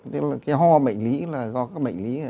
tức là cái ho bệnh lý là do các bệnh lý